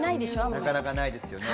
なかなかないですよね。